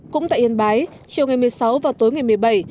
cũng tại yên bái chiều ngày một mươi sáu và tối ngày một mươi bảy